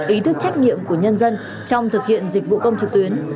ý thức trách nhiệm của nhân dân trong thực hiện dịch vụ công trực tuyến